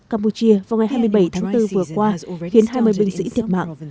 campuchia vào ngày hai mươi bảy tháng bốn vừa qua khiến hai mươi binh sĩ thiệt mạng